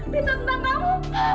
berita tentang kamu